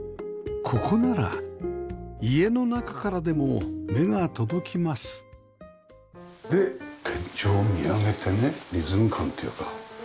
ここなら家の中からでも目が届きますで天井見上げてねリズム感というか。